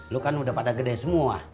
lo kan udah pada gede semua